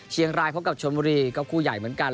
เชียงรายพบกับชนบุรีก็คู่ใหญ่เหมือนกัน